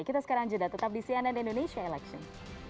kita sekarang jeda tetap di cnn indonesia election